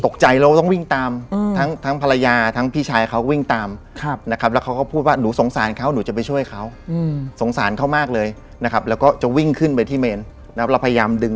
เขาจะพุ่งเข้ามาเลย